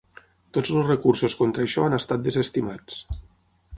Tots els recursos contra això han estat desestimats.